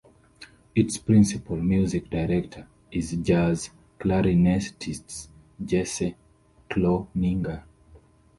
Its principal music director is jazz clarinetist Jesse Cloninger.